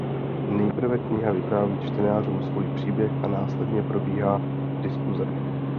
Nejprve kniha vypráví čtenářům svůj příběh a následně probíhá diskuze.